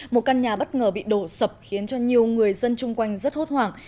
một căn nhà bất ngờ bị đổ sập khiến cho nhiều người dân chung quanh rất hốt hoảng